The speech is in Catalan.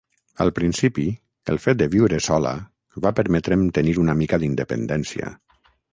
Al principi, el fet de viure sola va permetre'm tenir una mica d'independència.